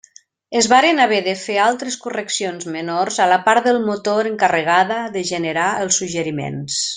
Es varen haver de fer altres correccions menors a la part del motor encarregada de generar els suggeriments.